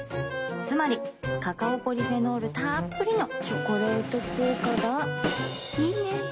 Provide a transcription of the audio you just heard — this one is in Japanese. つまりカカオポリフェノールたっぷりの「チョコレート効果」がいいね。